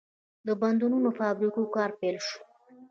د بندونو او فابریکو کار پیل شو.